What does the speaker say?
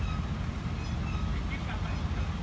จากเมื่อเกิดขึ้นมันกลายเป้าหมาย